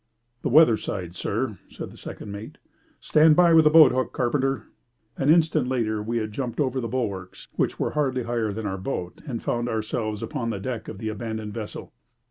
"The weather side, sir," said the second mate. "Stand by with the boat hook, carpenter!" An instant later we had jumped over the bulwarks, which were hardly higher than our boat, and found ourselves upon the deck of the abandoned vessel.